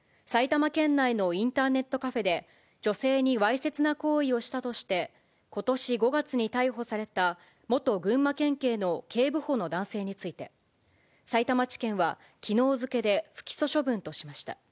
埼玉県内のインターネットカフェで、女性にわいせつな行為をしたとして、ことし５月に逮捕された、元群馬県警の警部補の男性について、さいたま地検はきのう付で不起訴処分としました。